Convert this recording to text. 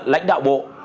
lãnh đạo bộ